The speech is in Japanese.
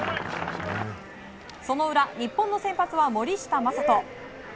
その裏、日本の先発は森下暢仁。